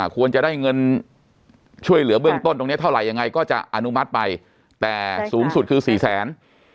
ควรจะได้เงินช่วยเหลือเบื้องต้นตรงนี้เท่าไหร่ยังไงก็จะอนุมัติไปแต่สูงสุดคือสี่แสน